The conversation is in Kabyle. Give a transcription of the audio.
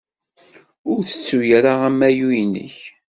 Ur tettu ara amayu-inek.